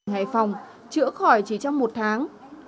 hải phòng chữa khỏi chỉ trong một tháng